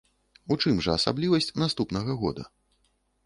У чым жа асаблівасць наступнага года?